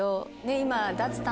今。